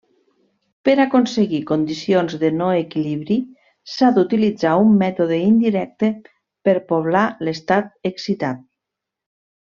Per aconseguir condicions de no-equilibri, s’ha d’utilitzar un mètode indirecte per poblar l’estat excitat.